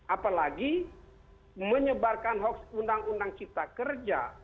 apalagi menyebarkan hoax undang undang cipta kerja